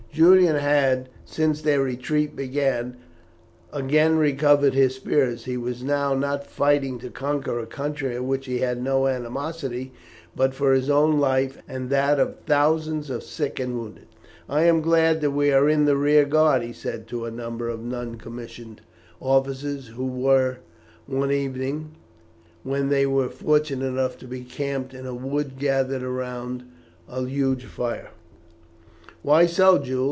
Julian had, since their retreat began, again recovered his spirits. He was now not fighting to conquer a country against which he had no animosity, but for his own life and that of the thousands of sick and wounded. "I am glad that we are in the rear guard," he said to a number of non commissioned officers who were one evening, when they were fortunate enough to be camped in a wood, gathered round a huge fire. "Why so, Jules?